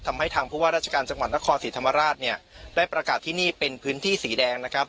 ทำให้ทางผู้ว่าราชการจังหวัดนครศรีธรรมราชเนี่ยได้ประกาศที่นี่เป็นพื้นที่สีแดงนะครับ